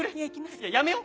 行きます。